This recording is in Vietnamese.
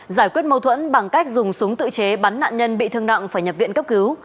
giải quyết mâu thuẫn bằng cách dùng súng tự chế bắn nạn nhân bị thương nặng phải nhập viện cấp cứu